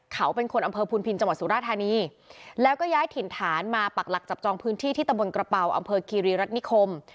เขาเป็นคนอำเภอพุนพินจังหวัดสุราธานีแล้วก็ย้ายถิ่นฐานมาปักหลักจับจองพื้นที่ที่ตะบนกระเป๋าอำเภอคีรีรัฐนิคม